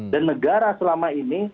dan negara selama ini